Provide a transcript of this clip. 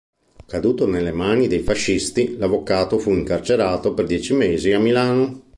Caduto nelle mani dei fascisti, l'avvocato fu incarcerato per dieci mesi a Milano.